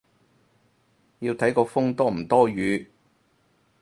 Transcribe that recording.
要睇個風多唔多雨